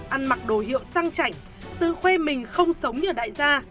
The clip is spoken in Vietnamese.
ăn mặc đồ hiệu sang chảnh tự khuê mình không sống như đại gia